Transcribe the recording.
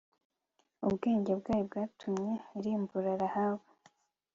ubwenge bwayo bwatumye irimbura rahabu